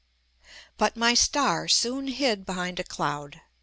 But my star soon hid behind a cloud.